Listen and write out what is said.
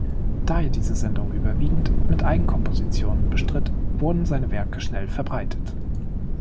Da er diese Sendung überwiegend mit Eigenkompositionen bestritt, wurden seine Werke schnell verbreitet.